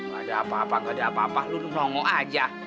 gak ada apa apa gak ada apa apa lu nongol aja